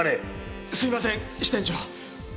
すいません支店長。